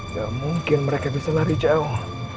gak mungkin mereka bisa lari jauh